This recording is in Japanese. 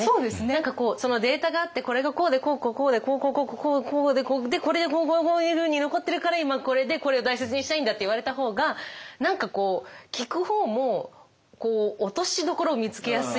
何かこうそのデータがあってこれがこうでこうこうこうでこうこうこうこうでこれでこうこうこういうふうに残ってるから今これでこれを大切にしたいんだって言われた方が何かこう聞く方も納得しやすいですよね。